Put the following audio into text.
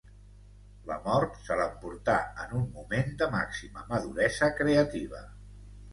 La mort se l'emportà en un moment de màxima maduresa creativa.